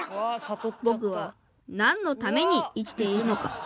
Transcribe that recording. ぼくは何のために生きているのか。